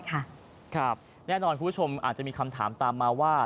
ครับแน่นอนคุณผู้ชมอาจจะมีคำถามตามมาว่า